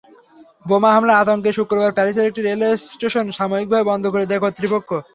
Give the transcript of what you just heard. বোমা হামলার আতঙ্কে শুক্রবার প্যারিসের একটি রেলস্টেশন সাময়িকভাবে বন্ধ করে দেয় কর্তৃপক্ষ।